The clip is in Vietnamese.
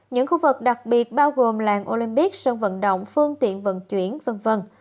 những khu vực đặc biệt bao gồm làng olympic sân vận động phương tiện vận chuyển v v